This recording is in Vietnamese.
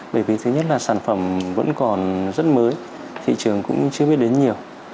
bởi vì thứ nhất là sản phẩm vẫn còn rất mới thị trường cũng chưa biết đến nhiều